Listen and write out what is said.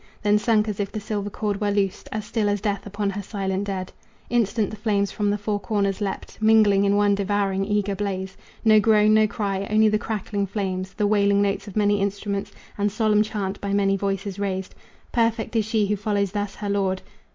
Then sunk as if the silver cord were loosed As still as death upon her silent dead. Instant the flames from the four corners leaped, Mingling in one devouring, eager blaze. No groan, no cry, only the crackling flames, The wailing notes of many instruments, And solemn chant by many voices raised, "Perfect is she who follows thus her lord."